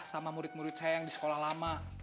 sama murid murid saya yang di sekolah lama